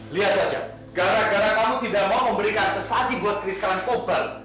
lihat saja gara gara kamu tidak mau memberikan sesati buat keris karangkobar